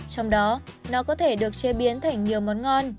trong đó nó có thể được chế biến thành nhiều món ngon